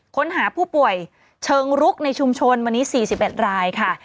ค้นหาผู้ป่วยเชิงรุกในชุมชนวันนี้๔๑รายค่ะ